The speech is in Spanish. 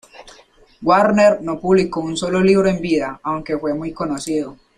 Warner no publicó un solo libro en vida, aunque fue muy conocido.